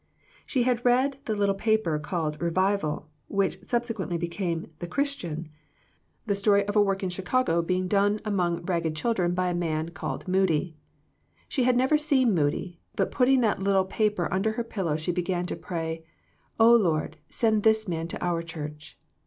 She had read in the little paper called Bevival, which subsequently became The Christian, the story of a work being done in Chicago among 126 THE PEACTICE OF.PEAYEE ragged children by a man called Moody. She had never seen Moody, but putting that little pa per under her pillow, she began to pray, " O Lord, send this man to our Church.'